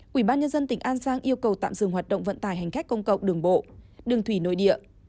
quỹ ban nhân dân tỉnh an giang yêu cầu tạm dừng hoạt động vận tải hành khách công cộng đường bộ đường thủy nội địa